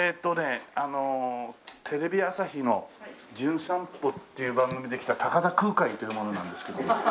あのテレビ朝日の『じゅん散歩』っていう番組で来た高田空海という者なんですけども。